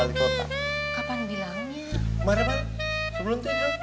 marah marah sebelum tidur